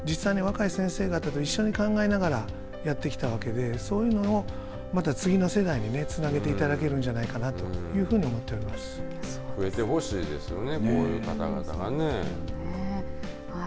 そういう場所を実際に若い先生方と一緒に考えながらやってきたわけでそういうのをまた次の世代につなげていただけるんじゃないかなというふうに増えてほしいですね。